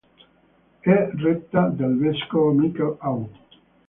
È retta dal vescovo Michel Aoun.